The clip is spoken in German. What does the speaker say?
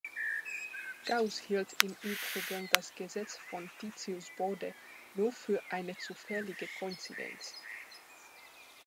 Gauß hielt im Übrigen das Gesetz von Titius-Bode nur für eine zufällige Koinzidenz.